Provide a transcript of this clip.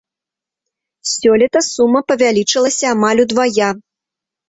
Сёлета сума павялічылася амаль удвая.